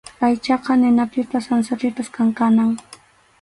Aychaqa ninapipas sansapipas kankanam.